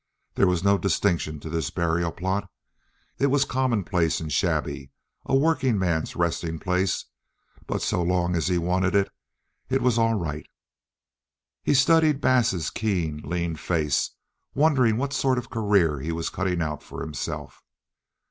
There was no distinction to this burial plot. It was commonplace and shabby, a working man's resting place, but so long as he wanted it, it was all right. He studied Bass's keen, lean face, wondering what sort of a career he was cutting out for himself.